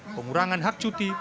pengurangan hak cuti